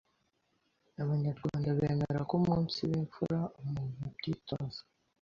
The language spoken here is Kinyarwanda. Abanyarwanda bemera ko umunsiba imfura umuntu abyitoza